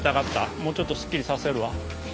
もうちょっとすっきりさせるわ。